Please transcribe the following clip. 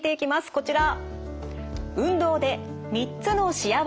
こちら。